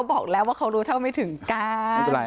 บอกแล้วว่าเขารู้เท่าไม่ถึงการ